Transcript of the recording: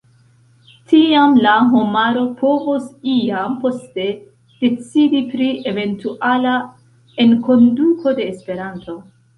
Tiam la homaro povos iam poste decidi pri eventuala enkonduko de Esperanto.